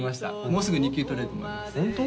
もうすぐ２級取れると思いますホント？